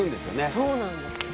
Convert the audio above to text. そうなんですよね。